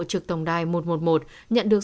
trực tổng đài một trăm một mươi một nhận được